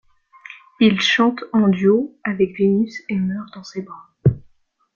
Il chante en duo avec Vénus, et meurt dans ses bras.